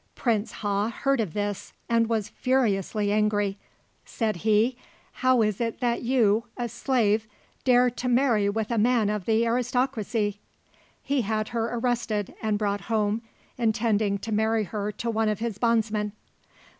Prince Ha heard of this and was furiously angry. Said he, "How is it that you, a slave, dare to marry with a man of the aristocracy?" He had her arrested and brought home, intending to marry her to one of his bondsmen.